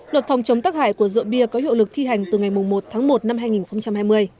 luật phòng chống tắc hại của rượu bia có hiệu lực thi hành từ ngày một tháng một năm hai nghìn hai mươi